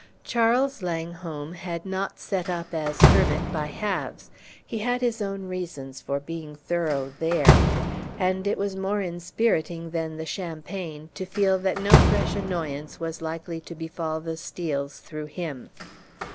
Charles Langholm had not set up as hermit by halves; he had his own reasons for being thorough there. And it was more inspiriting than the champagne to feel that no fresh annoyance was likely to befall the Steels through him.